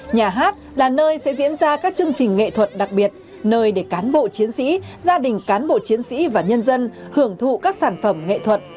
nhà hát là nơi sẽ diễn ra các chương trình nghệ thuật đặc biệt nơi để cán bộ chiến sĩ gia đình cán bộ chiến sĩ và nhân dân hưởng thụ các sản phẩm nghệ thuật